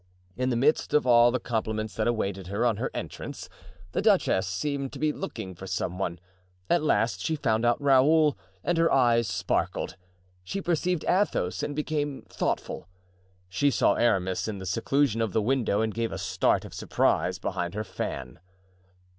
In the midst of all the compliments that awaited her on her entrance, the duchess seemed to be looking for some one; at last she found out Raoul and her eyes sparkled; she perceived Athos and became thoughtful; she saw Aramis in the seclusion of the window and gave a start of surprise behind her fan.